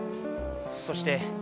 そして。